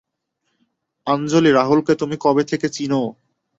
আঞ্জলি রাহুলকে তুমি কবে থেকে চিনো?